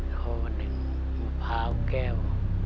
ตัวเลือกที่๑มะพร้าวแก้ว